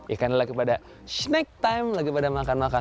ikan lagi pada snack time lagi pada makan makan